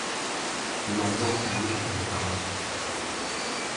Une ambiance unique à ne pas rater.